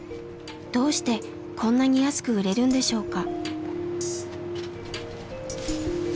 どうしてこんなに安く売れるんでしょうか。